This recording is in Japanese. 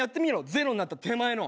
ゼロになった手前の。